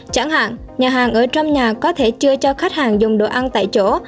chẳng hạn nhà hàng ở trong nhà có thể chưa cho khách hàng dùng đồ ăn tại chỗ